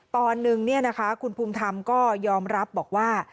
ตอนหนึ่งคุณภูมิธรรมก็ยอมรับบอกว่า